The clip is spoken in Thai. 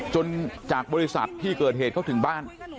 จากบริษัทที่เกิดเหตุเขาถึงบ้าน